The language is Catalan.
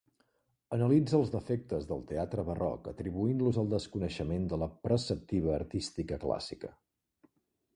Analitza els defectes del teatre barroc atribuint-los al desconeixement de la preceptiva artística clàssica.